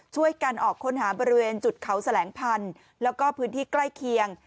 ช่วยกันออกค้นหาบริเวณจุดเขาแสลงพันธุ์แล้วก็พื้นที่ใกล้เคียง